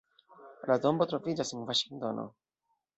La tombo troviĝas en Vaŝingtono.